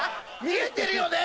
見えてるよね？